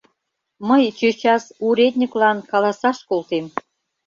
Мый чӧчас уретньыклан каласаш колтем.